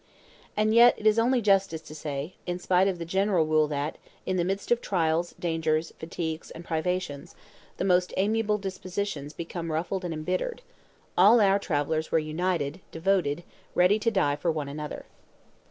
And yet, it is only justice to say, in spite of the general rule that, in the midst of trials, dangers, fatigues, and privations, the most amiable dispositions become ruffled and embittered, all our travelers were united, devoted, ready to die for one another.